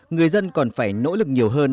người dân còn phải nỗ lực nhiều hơn